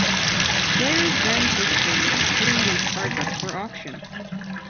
Players then take turns putting these cards up for auction.